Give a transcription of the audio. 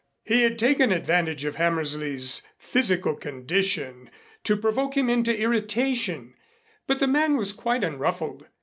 He had taken advantage of Hammersley's physical condition to provoke him into irritation, but the man was quite unruffled.